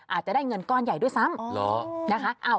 อาจจะได้เงินก้อนใหญ่ด้วยซ้ำนะคะ